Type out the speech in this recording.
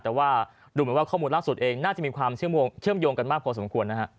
ดูหมายความข้อมูลล่าสุดเองน่าจะมีความเชื่อมโยงกันมากพอสมควร